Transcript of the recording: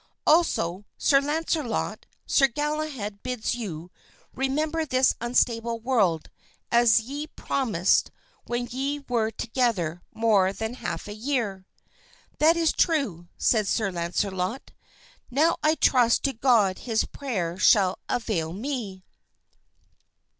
Also, Sir Launcelot, Sir Galahad bids you remember this unstable world, as ye promised when ye were together more than half a year." "That is true," said Sir Launcelot; "now I trust to God his prayer shall avail me."